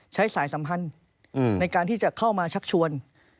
สายสัมพันธ์ในการที่จะเข้ามาชักชวน